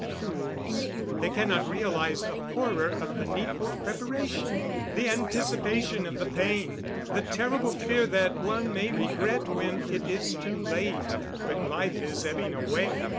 Fools! They cannot realise the horror of the needful preparation, the anticipation of the pain, the terrible fear that one may regret when it is too late, when life is ebbing away.